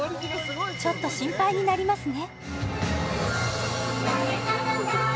ちょっと心配になりますね